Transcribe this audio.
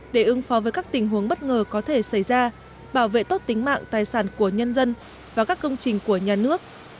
để ứng phó với các tình huống bất ngờ có thể xảy ra bảo vệ tốt tính mạng tài sản của nhân dân và các công trình của nhà nước